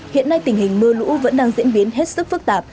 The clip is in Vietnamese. hiện nay tình hình mưa lũ vẫn đang diễn biến hết sức phức tạp